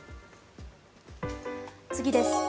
次です。